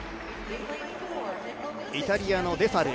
イタリアのデサル。